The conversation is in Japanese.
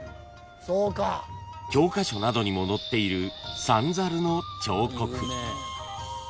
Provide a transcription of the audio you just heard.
［教科書などにも載っている三猿の彫刻］